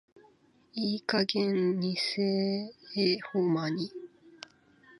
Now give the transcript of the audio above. いい加減偽絵保マニ。